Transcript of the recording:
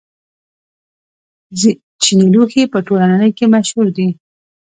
چیني لوښي په ټوله نړۍ کې مشهور دي.